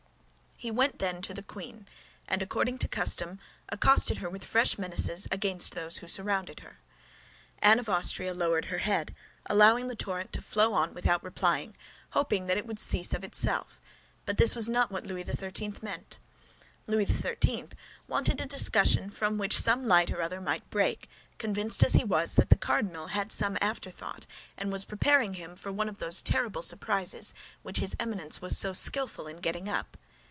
He went then to the queen, and according to custom accosted her with fresh menaces against those who surrounded her. Anne of Austria lowered her head, allowed the torrent to flow on without replying, hoping that it would cease of itself; but this was not what Louis XIII. meant. Louis XIII. wanted a discussion from which some light or other might break, convinced as he was that the cardinal had some afterthought and was preparing for him one of those terrible surprises which his Eminence was so skillful in getting up.